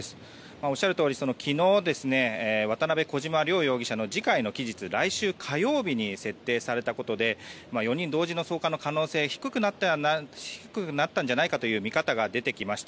おっしゃるとおり昨日、渡邉、小島両容疑者の次回の期日来週火曜日に設定されたことで４人同時の送還の可能性は低くなったんじゃないかという見方が出てきました。